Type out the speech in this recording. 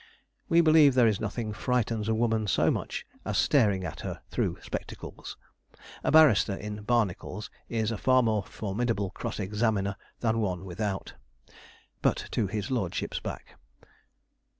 We believe there is nothing frightens a woman so much as staring at her through spectacles. A barrister in barnacles is a far more formidable cross examiner than one without. But, to his lordship's back.